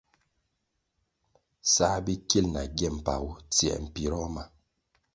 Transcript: Sā bikil na gye mpagu tsiē mpiroh ma.